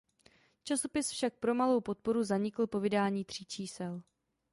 Časopis však pro malou podporu zanikl po vydání tří čísel.